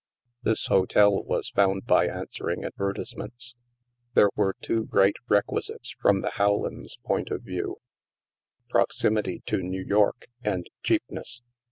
This hotel was found by answering advertise ments. There were two great requisites from the Howlands' point of view : proximity to New York and cheapness.